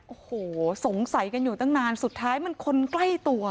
โอ้โหสงสัยกันอยู่ตั้งนานสุดท้ายมันคนใกล้ตัว